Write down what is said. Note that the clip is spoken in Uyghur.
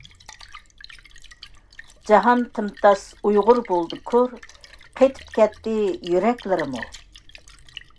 جاھان تىمتاس تۇيغۇ بولدى كور، قېتىپ كەتتى يۈرەكلىرىممۇ.